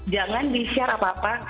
jangan di share apa apa